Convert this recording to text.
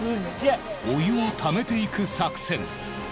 お湯をためていく作戦。